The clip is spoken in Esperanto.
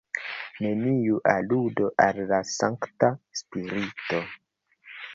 Neniu aludo al la Sankta Spirito.